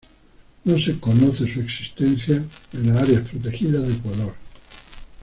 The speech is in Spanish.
No se conoce su existencia en las áreas protegidas de Ecuador.